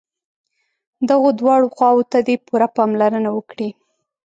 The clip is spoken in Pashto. دغو دواړو خواوو ته دې پوره پاملرنه وکړي.